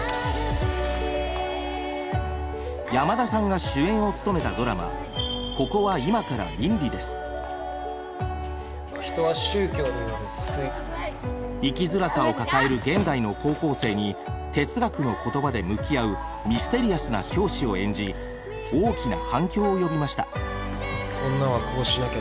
山田さんが主演を務めたドラマ生きづらさを抱える現代の高校生に哲学の言葉で向き合うミステリアスな教師を演じ大きな反響を呼びました。